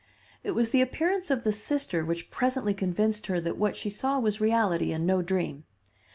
It was the appearance of the sister which presently convinced her that what she saw was reality and no dream.